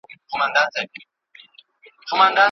که څوک زیار وباسي هغه به په راتلونکي کي بریالی څېړونکی سي.